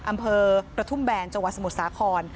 อำเภอกระทุ่มแบนจังหวัดสมุทรสาคร